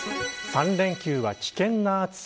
３連休は危険な暑さ。